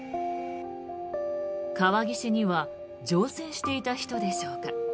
川岸には乗船していた人でしょうか。